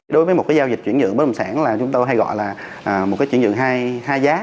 đối với một cái giao dịch chuyển nhượng bất đồng sản là chúng ta hay gọi là một cái chuyển nhượng hai giá